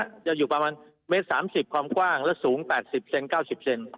มันต้องเดินที่ประมาณเมตรสามสิบความกว้างและสูงแปดสิบเซน